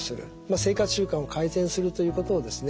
生活習慣を改善するということをですね